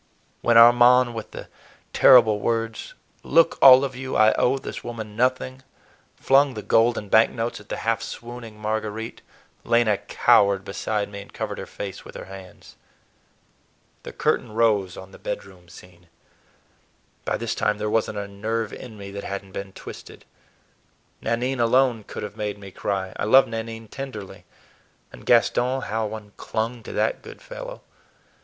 When Armand, with the terrible words, "Look, all of you, I owe this woman nothing!" flung the gold and bank notes at the half swooning Marguerite, Lena cowered beside me and covered her face with her hands. The curtain rose on the bedroom scene. By this time there was n't a nerve in me that had n't been twisted. Nanine alone could have made me cry. I loved Nanine tenderly; and Gaston, how one clung to that good fellow!